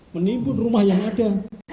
menimbul rumah yang ada